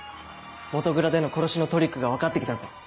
元蔵での殺しのトリックが分かって来たぞ。